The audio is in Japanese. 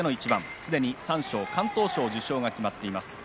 すでに三賞敢闘賞受賞が決まっています。